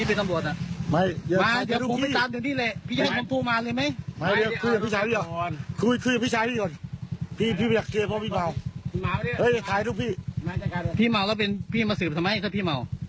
เฮ่ยถ่ายนะพี่ถ่ายนะพี่ถ่ายนะพี่ถ่ายนะพี่